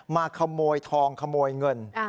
มาขโมยทองขโมยเงิน